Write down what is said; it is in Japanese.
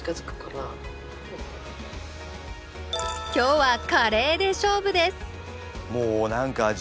今日はカレーで勝負です！